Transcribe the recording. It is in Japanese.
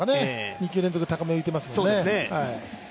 ２球連続、高めに浮いていますもんね。